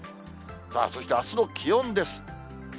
そしてあすの気温です。